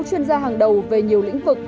chuyên gia hàng đầu về nhiều lĩnh vực